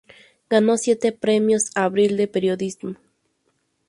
Ganó siete premios "Abril" de Periodismo.